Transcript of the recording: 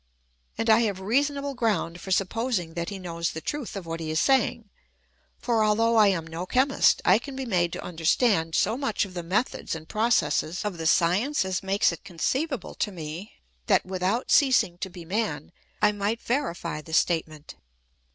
And I have reasonable ground for supposing that he knows the truth of what he is saying, for although I am no chemist, I can be made to understand so much of the methods and processes of the science as makes it con ceivable to me that, without ceasing to be man, I might verify the statement.